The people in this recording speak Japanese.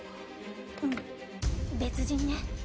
うん別人ね。